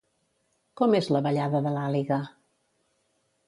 Com és la ballada de l'Àliga?